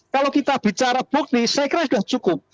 kalau kita bicara bukti saya kira sudah cukup